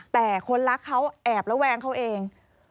แต่คนรักเขาแอบระแวงเขาเอง